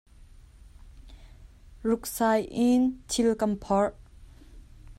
Ruksai in thil kan phorh.